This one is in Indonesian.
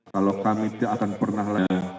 kalau kami tidak akan pernah lengang